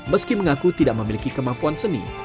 meski mengaku tidak memiliki kemampuan seni